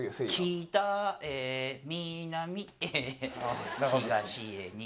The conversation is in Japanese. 「北へ南へ東へ西へ」